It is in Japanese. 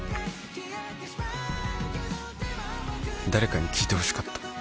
誰かに聞いてほしかった。